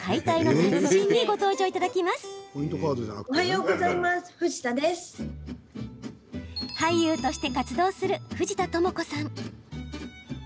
俳優として活動する藤田朋子さん。